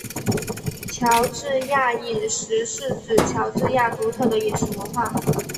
乔治亚饮食是指乔治亚独特的饮食文化。